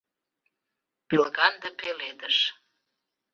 Пелганде пеледыш.